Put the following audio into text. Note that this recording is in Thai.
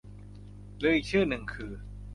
หรืออีกชื่อหนึ่งคือ